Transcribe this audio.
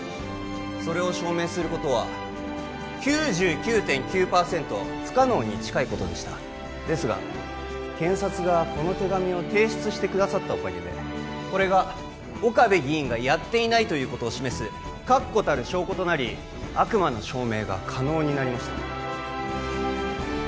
それを証明することは９９．９％不可能に近いことでしたですが検察がこの手紙を提出してくださったおかげでこれが岡部議員がやっていないということを示す確固たる証拠となり悪魔の証明が可能になりました